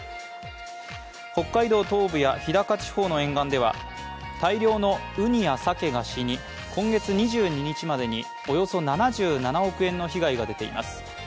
北海道東部や日高地方の沿岸では大量のうにやさけが死に、今月２２日までにおよそ７７億円の被害が出ています。